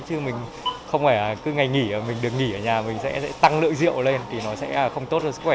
chứ mình không phải cứ ngày nghỉ mình được nghỉ ở nhà mình sẽ tăng lượng rượu lên thì nó sẽ không tốt cho sức khỏe